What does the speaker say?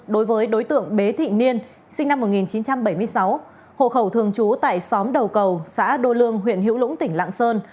đối với đối tượng bế thị niên sinh năm một nghìn chín trăm bảy mươi sáu hộ khẩu thường trú tại xóm đầu cầu xã đô lương huyện hữu lũng tỉnh lạng sơn